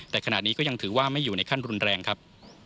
แต่ขณะนี้ก็ยังถือว่าไม่อยู่ในขั้นรุนแรงครับ